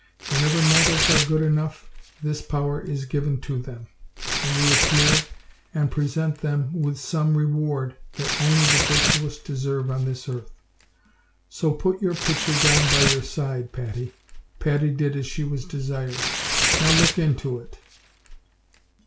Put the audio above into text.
Whenever mortals are good enough, this power is given to them, and we appear and present them with some reward that only the virtuous deserve on this earth. So put your pitcher down by your side, Patty." Patty did as she was desired. "Now look into it."